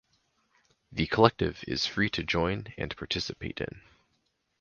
The Collective is free to join and participate in.